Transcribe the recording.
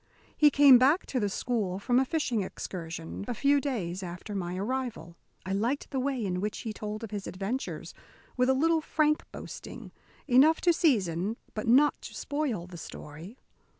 He came back to the school, from a fishing excursion, a few days after my arrival. I liked the way in which he told of his adventures, with a little frank boasting, enough to season but not to spoil the story.